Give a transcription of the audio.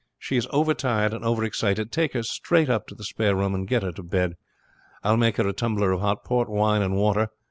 "She is overtired and overexcited. Take her straight up to the spare room and get her to bed. I will make her a tumbler of hot port wine and water.